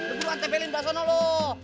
udah buruan tepelin belakang sana lu